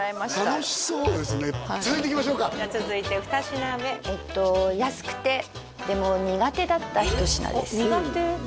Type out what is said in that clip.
楽しそうですね続いていきましょうかじゃあ続いて二品目安くてでも苦手だった一品です